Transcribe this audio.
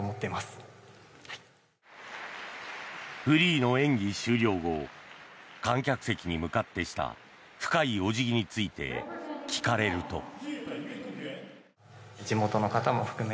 フリーの演技終了後観客席に向かってした深いお辞儀について聞かれると。